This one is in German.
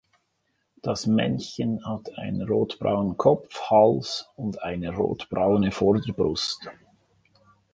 Das Männchen hat einen rotbraunen Kopf, Hals und eine rotbraune Vorderbrust.